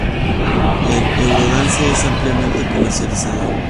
El eurodance es ampliamente comercializado.